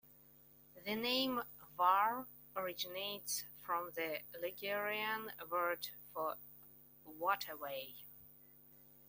The name "Var" originates from the Ligurian word for "waterway".